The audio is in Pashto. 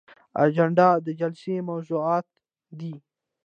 اجنډا د جلسې موضوعات دي